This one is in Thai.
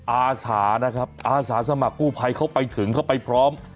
อาสานะครับอาสาสมัครกู้ภัยเขาไปถึงเขาไปพร้อม